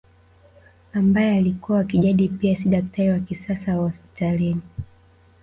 Ambaye alikuwa wa kijadi pia si daktari wa kisasa wa hospitalini